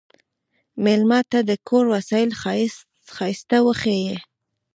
مېلمه ته د کور وسایل ښايسته وښیه.